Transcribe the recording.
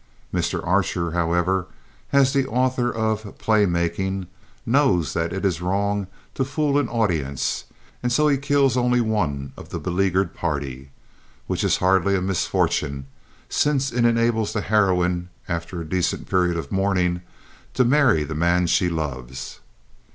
Mr. Archer, however, as the author of Play Making, knows that it is wrong to fool an audience, and so he kills only one of the beleaguered party, which is hardly a misfortune, since it enables the heroine, after a decent period of mourning, to marry the man she loves.